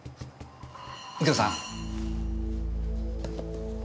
右京さん。